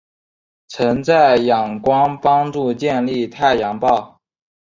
曾在仰光帮助建立太阳报。